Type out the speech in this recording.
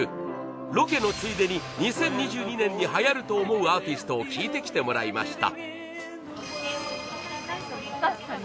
ロケのついでに２０２２年に流行ると思うアーティストを聞いてきてもらいました。